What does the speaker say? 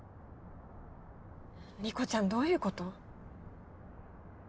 理子ちゃんどういうこと？